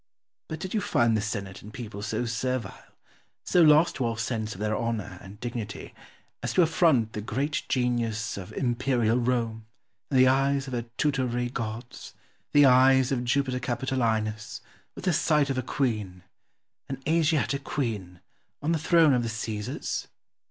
But did you find the senate and people so servile, so lost to all sense of their honour and dignity, as to affront the great genius of imperial Rome and the eyes of her tutelary gods, the eyes of Jupiter Capitolinus, with the sight of a queen an Asiatic queen on the throne of the Caesars?